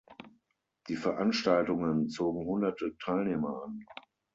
Die Veranstaltungen zogen hunderte Teilnehmer an.